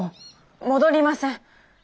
戻りません。